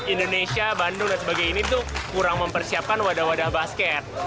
indonesia bandung dan sebagainya itu kurang mempersiapkan wadah wadah basket